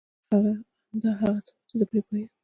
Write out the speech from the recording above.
همدا هغه څه و چي زه پرې پوهېږم.